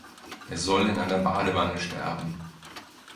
Er soll in einer Badewanne sterben.